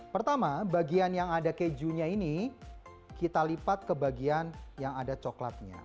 pertama bagian yang ada kejunya ini kita lipat ke bagian yang ada coklatnya